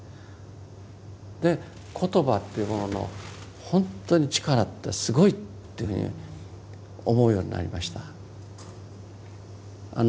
言葉というものの本当に力ってすごいというふうに思うようになりました。